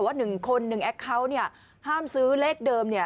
ว่า๑คน๑แอคเคาตห้ามซื้อเลขเดิม